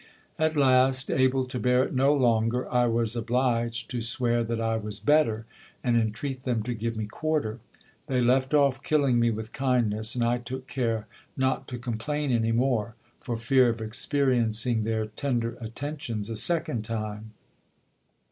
At last, able to bear it no longer, I was obliged to swear that I was better, and entreat them to give me quarter. They left off killing me with kindness, and I took care not to complain any more, for fear of experiencing their tender attentions a second time.